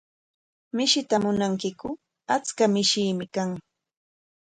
¿Mishita munankiku? Achka mishiimi kan.